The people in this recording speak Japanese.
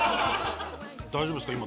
大丈夫ですか？